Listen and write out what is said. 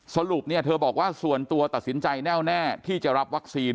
สรุปเธอบอกว่าส่วนตัวตัดสินใจแน่วแน่ที่จะรับวัคซีน